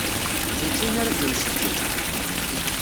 Ad nečč ayen ara d-nṣeyyed.